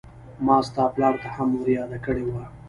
ما ستا پلار ته هم ور ياده کړې وه.